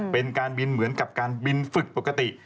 เป็นการบินเหมือนกับการบินฝึกปกติ